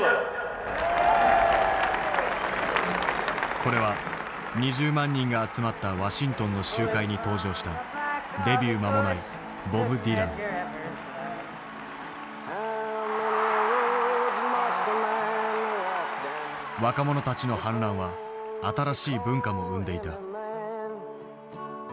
これは２０万人が集まったワシントンの集会に登場したデビュー間もない若者たちの反乱は新しい文化も生んでいた。